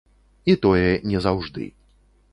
І тое не заўжды.